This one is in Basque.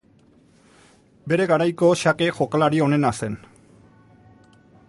Bere garaiko xake jokalari onena zen.